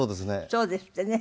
そうですってね。